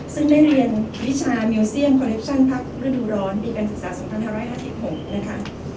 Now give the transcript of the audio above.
ซึ่งได้เรียนวิชามิวเซียนคอเลคชั่นพักฤดูร้อนปีการศึกษา๒๕๕๖นะคะ